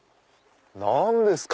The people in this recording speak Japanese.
何ですか？